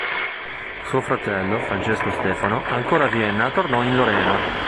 Suo fratello, Francesco Stefano, ancora a Vienna tornò in Lorena.